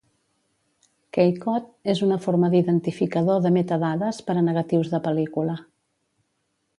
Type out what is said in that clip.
Keykode és una forma d'identificador de metadades per a negatius de pel·lícula.